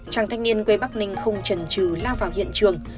chàng thanh niên quê bắc ninh không trần trừ lao vào hiện trường